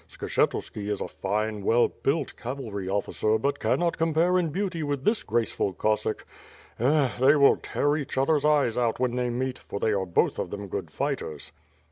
Skshetuski is a fine, well built cavalry ofiicer but canot compare in beauty with this graceful Cossack. Eh! they will tear each other's eyes out when they meet, for they are both of them good fighters."